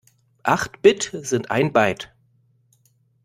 Acht Bit sind ein Byte.